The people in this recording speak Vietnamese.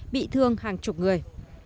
bị thương hàng chục người